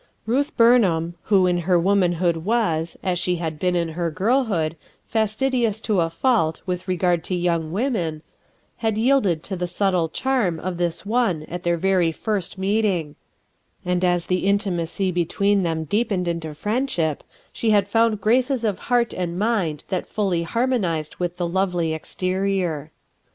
Ruth Burnham, who in her womanhood was, as she had been in her girlhood, fastidious to a fault with regard to young women, had yielded to the subtle charm of this one at their very first meeting; and as the intimacy between them deepened into friendship she had found graces of heart and mind that fully harmonized with the lovely exterior.